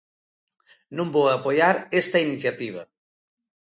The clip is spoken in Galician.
Non vou apoiar esta iniciativa.